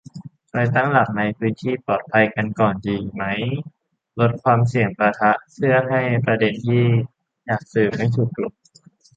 ไปตั้งหลักในพื้นที่ปลอดภัยกันก่อนดีไหม ลดความเสี่ยงปะทะ เพื่อให้ประเด็นที่อยากสื่อสารไม่ถูกกลบ